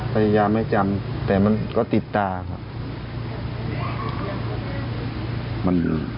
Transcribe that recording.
พยายามไม่จำแต่มันก็ติดตาครับ